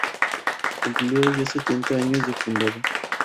Cumplió ya setenta años de fundada.